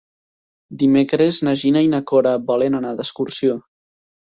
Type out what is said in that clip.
Dimecres na Gina i na Cora volen anar d'excursió.